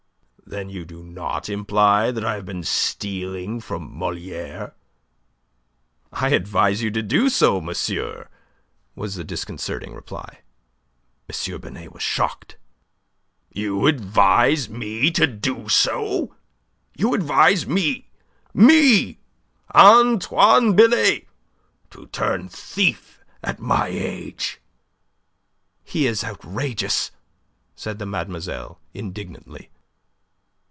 "Then you do not imply that I have been stealing from Moliere?" "I advise you to do so, monsieur," was the disconcerting reply. M. Binet was shocked. "You advise me to do so! You advise me, me, Antoine Binet, to turn thief at my age!" "He is outrageous," said mademoiselle, indignantly.